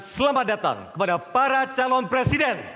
selamat datang kepada para calon presiden